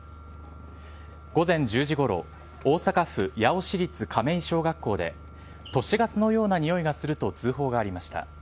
午前１０時ごろ、大阪府八尾市立かめい小学校で都市ガスのようなにおいがすると通報がありました。